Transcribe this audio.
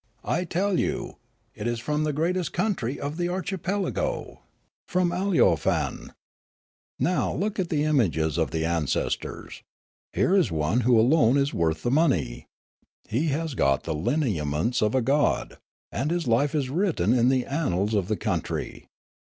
I tell you it is from the greatest country in the archipelago, from Aleofane. Now look at the images of the ancestors. Here is one who alone is worth the money. He has got the lineaments of a god, and his life is written in the annals of the country.